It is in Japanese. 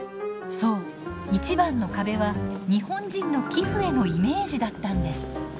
そう一番の壁は日本人の寄付へのイメージだったんです。